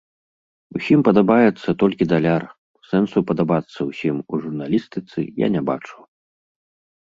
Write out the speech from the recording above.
Усім падабаецца толькі даляр, сэнсу падабацца ўсім у журналістыцы я не бачу.